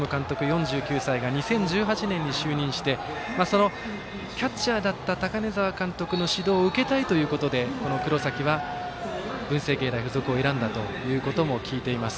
４９歳が２０１８年に就任してキャッチャーだった高根澤監督の指導を受けたいということでこの黒崎は文星芸大付属を選んだということも聞いています。